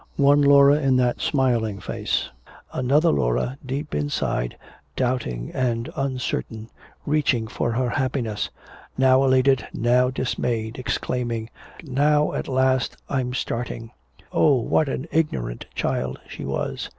One Laura in that smiling face; another Laura deep inside, doubting and uncertain, reaching for her happiness, now elated, now dismayed, exclaiming, "Now at last I'm starting!" Oh, what an ignorant child she was.